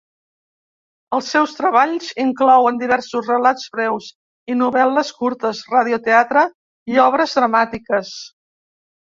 Els seus treballs inclouen diversos relats breus i novel·les curtes, radioteatre i obres dramàtiques.